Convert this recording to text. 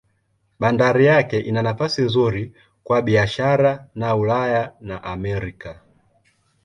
Bandari yake ina nafasi nzuri kwa biashara na Ulaya na Amerika.